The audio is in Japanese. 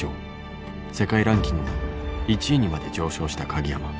世界ランキングも１位にまで上昇した鍵山。